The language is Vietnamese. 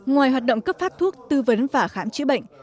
ngoài hoạt động cấp phát thuốc tư vấn và khám chữa bệnh